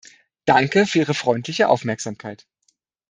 Danke für Ihre freundliche Aufmerksamkeit.